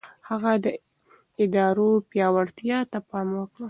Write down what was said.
هغه د ادارو پياوړتيا ته پام وکړ.